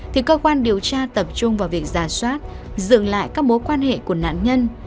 thì cơ quan điều tra tập trung vào việc giả soát dừng lại các mối quan hệ của nạn nhân